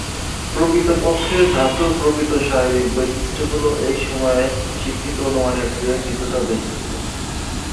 প্রকৃতপক্ষে, ধাতুর প্রকৃত শারীরিক বৈশিষ্ট্যগুলি এই সময়ে শিক্ষিত অনুমানের চেয়ে কিছুটা বেশি ছিল।